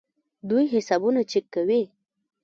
دوی حسابونه چک کوي.